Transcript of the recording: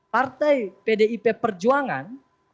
partai pdip perjuangan